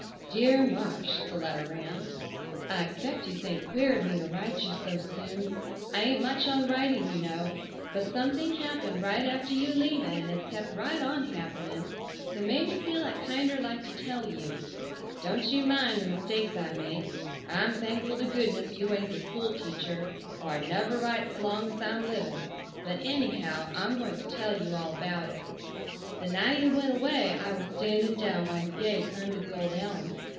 "DEAR MARSH,"—the letter ran:— "I expect you think queer of me to write you so soon. I ain't much on writing you know, but something happened right after you leaving and has kept right on happening that made me feel I kinder like to tell you. Don't you mind the mistakes I make. I'm thankful to goodness you ain't the school teacher or I'd never write 'slong s' I'm living, but ennyhow I'm going to tell you all about it. "The night you went away I was standing down by the gate under the old elm.